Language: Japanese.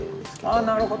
あなるほど。